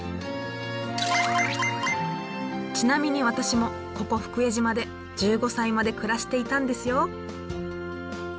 ちなみに私もここ福江島で１５歳まで暮らしていたんですよ。